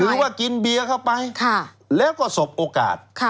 ว่ากินเบียร์เข้าไปแล้วก็สบโอกาส